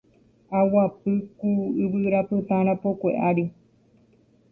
Aguapy ku yvyrapytã rapokue ári